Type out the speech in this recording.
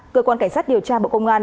cơ quan cảnh sát điều tra bộ công an